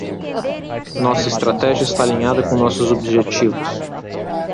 Nossa estratégia está alinhada com nossos objetivos.